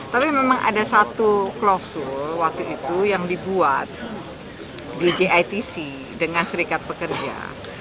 tapi memang ada satu klausul waktu itu yang dibuat di jitc dengan serikat pekerja